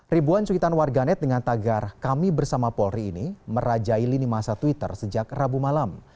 ribuan cuitan warganet dengan tagar kami bersama polri ini merajai lini masa twitter sejak rabu malam